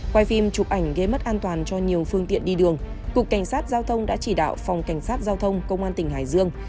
quay phim chụp ảnh gây mất an toàn cho nhiều phương tiện đi đường cục cảnh sát giao thông đã chỉ đạo phòng cảnh sát giao thông công an tỉnh hải dương